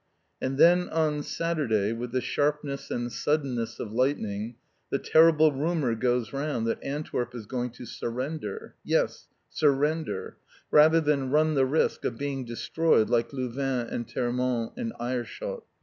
And then on Saturday, with the sharpness and suddenness of lightning, the terrible rumour goes round that Antwerp is going to surrender, yes, surrender rather than run the risk of being destroyed like Louvain, and Termonde, and Aerschot.